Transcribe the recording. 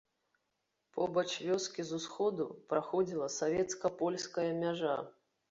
Побач вёскі з усходу праходзіла савецка-польская мяжа.